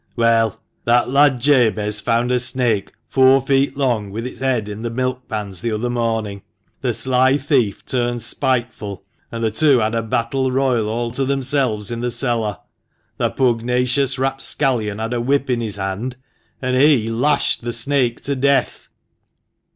"Well, that lad Jabez found a snake, four feet long, with its head in the milk pans the other morning, The sly thief *THE MANCHESTER MAN. 85 turned spiteful, and the two had a battle royal all to themselves in the cellar. The pugnacious rapscallion had a whip in his hand, and he — lashed the snake to death